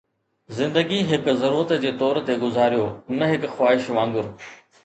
زندگي هڪ ضرورت جي طور تي گذاريو، نه هڪ خواهش وانگر